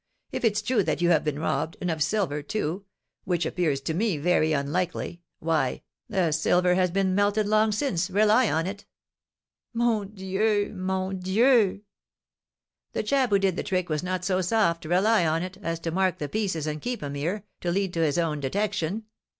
If it's true that you have been robbed, and of silver, too (which appears to me very unlikely), why, the silver has been melted long since, rely on it." "Mon Dieu! Mon Dieu!" "The chap who did the trick was not so soft, rely on it, as to mark the pieces, and keep 'em here, to lead to his own detection.